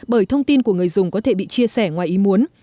bởi thông tin của người dùng có thể bị chia sẻ ngoài ý muốn